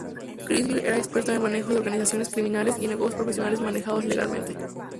Kingsley era experto en el manejo de organizaciones criminales y negocios profesionales manejados legalmente.